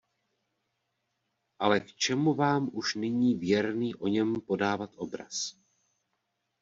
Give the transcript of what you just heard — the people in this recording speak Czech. Ale k čemu vám už nyní věrný o něm podávat obraz.